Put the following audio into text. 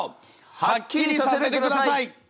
はっきりさせてください！